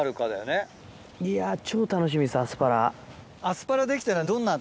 いや超楽しみですアスパラ。